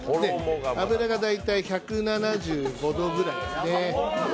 脂が大体１７５度ぐらいで。